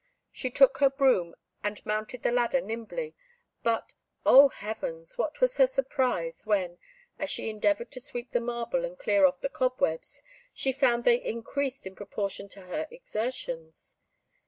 She took her broom, and mounted the ladder nimbly, but, O Heavens! what was her surprise when, as she endeavoured to sweep the marble and clear off the cobwebs, she found they increased in proportion to her exertions!